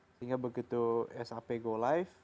sehingga begitu sap go live